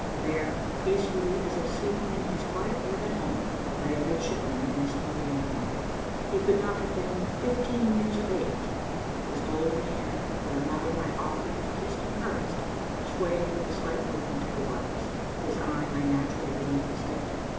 There, peacefully as if sleeping in his quiet bed at home, lay a midshipman in his blue uniform. He could not have been fifteen years of age. His golden hair, that a mother might often have kissed and caressed, swayed with the slight movement of the waters. His arm lay naturally beneath his head.